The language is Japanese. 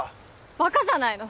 バカじゃないの？